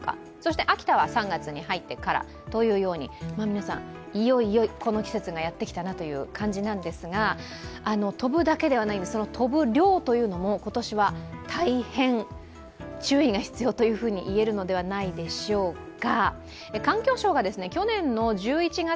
皆さん、いよいよこの季節がやってきたなという感じなんですが、飛ぶだけではないんです、飛ぶ量というのも今年は大変注意が必要と言えるのではないでしょうか。